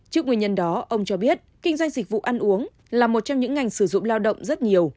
trước nguyên nhân đó ông cho biết kinh doanh dịch vụ ăn uống là một trong những ngành sử dụng lao động rất nhiều